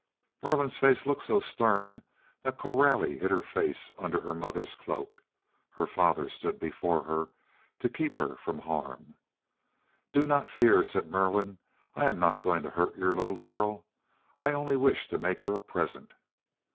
Merlin's face looked so stern that Coralie hid her face under her mother's cloak. Her father stood before her to keep her from harm. "Do not fear," said Merlin. "I am not going to hurt your little girl. I only wish to make her a present."